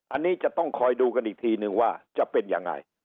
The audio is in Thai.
อันนี้จะต้องคอยดูกันอีกทีนึงว่าจะเป็นยังไง